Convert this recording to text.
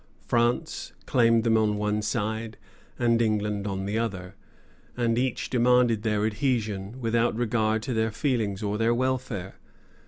France claimed them on one side, and England on the other, and each demanded their adhesion, without regard to their feelings or their wrelfare.